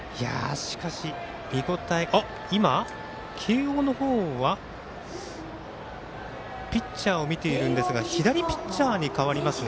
今、慶応の方はピッチャーを見ているんですが左ピッチャーにかわりますね。